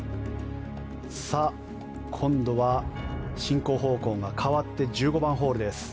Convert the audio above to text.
今度は進行方向が変わって１５番ホールです。